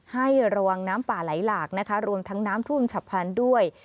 ให้ระวังน้ำป่าไหลหลากนะคะรวมทั้งน้ำท่วมฉับพันธุ์ด้วย